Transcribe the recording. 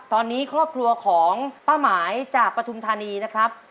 ตอนนี้ครอบครัวของป้าหมายจากปฐุมธานีนะครับ